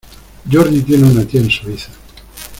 Jordi tiene una tía en Suiza.